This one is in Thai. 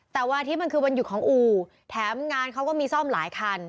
แต่วันอาทิตย์มันคือวันหยุดของอู่แถมงานเขาก็มีซ่อมหลายคัน